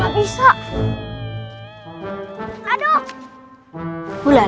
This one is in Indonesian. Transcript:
tuju kamu akan nikah